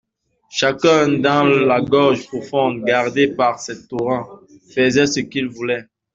Chacun, dans la gorge profonde, gardé par ses torrents, faisait ce qu'il voulait.